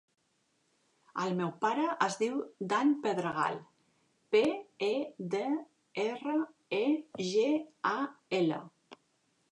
El meu pare es diu Dan Pedregal: pe, e, de, erra, e, ge, a, ela.